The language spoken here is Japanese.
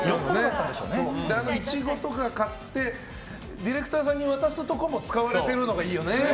イチゴとかを買ってディレクターさんに渡すところも使われてるのがいいよね。